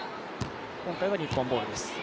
今回は日本ボールです。